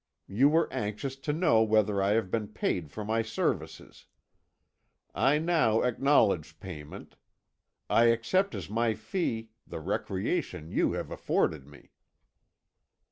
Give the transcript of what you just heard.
You were anxious to know whether I have been paid for my services. I now acknowledge payment. I accept as my fee the recreation you have afforded me."